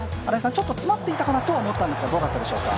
ちょっと詰まっていたかなとは思ったんですが、どうだったでしょうか。